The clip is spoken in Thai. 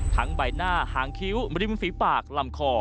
ใบหน้าหางคิ้วริมฝีปากลำคอ